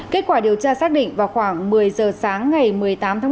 kết quả điều tra xác định vào khoảng một mươi giờ sáng ngày một mươi tám tháng một